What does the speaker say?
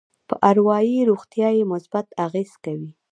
په اروایي روغتيا يې مثبت اغېز کوي.